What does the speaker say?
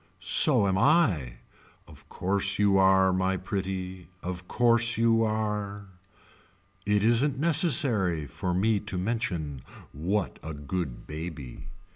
So am I. Of course you are my pretty. Of course you are. It isn't necessary for me to mention what a good baby.